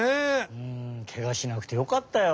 うんけがしなくてよかったよ。